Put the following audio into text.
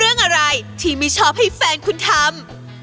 เรื่องอะไรที่ไม่ชอบให้แฟนคุณทำ